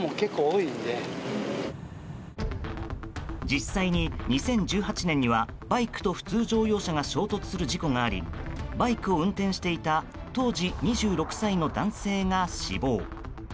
実際に２０１８年にはバイクと普通乗用車が衝突する事故がありバイクを運転していた当時２６歳の男性が死亡。